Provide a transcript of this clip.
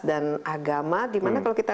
dan agama dimana kalau kita